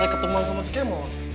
neng ketemuan sama si kemut